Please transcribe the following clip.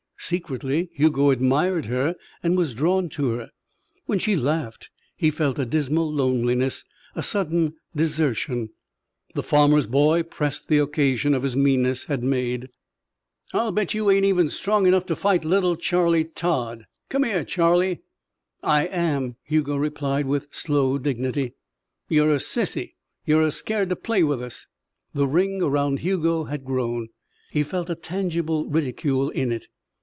Secretly Hugo admired her and was drawn to her. When she laughed, he felt a dismal loneliness, a sudden desertion. The farmer's boy pressed the occasion his meanness had made. "I'll bet you ain't even strong enough to fight little Charlie Todd. Commere, Charlie." "I am," Hugo replied with slow dignity. "You're a sissy. You're a scared to play with us." The ring around Hugo had grown. He felt a tangible ridicule in it.